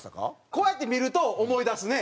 こうやって見ると思い出すね。